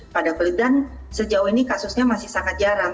pada kelihatan sejauh ini kasusnya masih sangat jarang